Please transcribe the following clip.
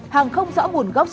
hàng không rõ nguồn gốc xuất xứ